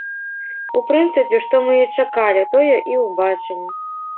У прынцыпе, што мы і чакалі, тое і ўбачылі.